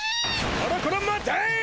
こらこら待てい！